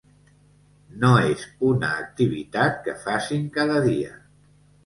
No és una activitat que facin cada dia.